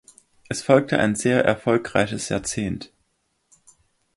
Es folgte ein sehr erfolgreiches Jahrzehnt.